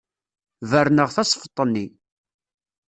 Berneɣ tasfeḍt-nni.